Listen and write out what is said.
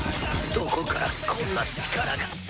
どこからこんな力が！？